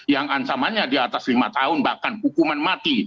yang ancamannya di atas lima tahun bahkan hukuman mati